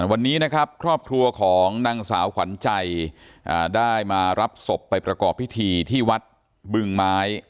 วันนี้นะครับครอบครัวของนางสาวขวัญใจได้มารับศพไปประกอบพิธีที่วัดบึงไม้